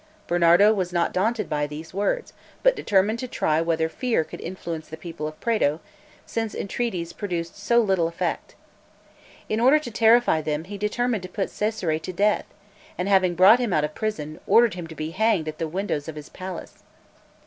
Bernardo was not daunted by these words, but determined to try whether fear could influence the people of Prato, since entreaties produced so little effect. In order to terrify them, he determined to put Cesare to death, and having brought him out of prison, ordered him to be hanged at the windows of the palace.